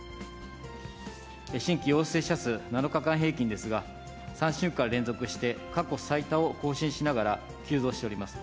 新規陽性者数、７日間平均ですが、３週間連続して、過去最多を更新しながら急増しております。